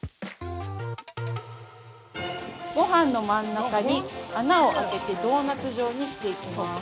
◆ごはんの真ん中に穴をあけてドーナツ状にしていきます。